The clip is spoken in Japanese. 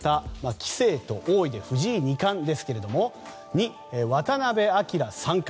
棋聖と王位で藤井二冠に、渡辺明三冠。